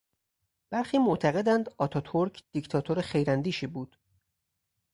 برخی معتقدند آتاتورک دیکتاتور خیراندیشی بود.